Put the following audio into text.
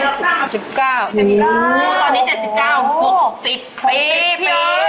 ตอนนี้๗๙๖๐ปี